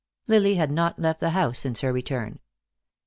Lily had not left the house since her return.